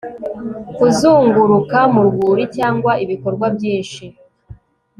Kuzunguruka mu rwuri cyangwa ibikorwa byinshi